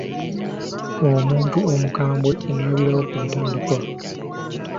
Omuntu omukambwe omulabirawo ku ntandikwa.